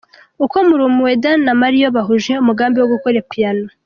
Uko Mulumeoderwa na Marion bahuje umugambi wo gukora piano.